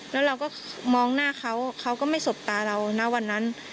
แล้วเราก็มองหน้าเขาเขาก็ไม่สบตาเราณวันนั้น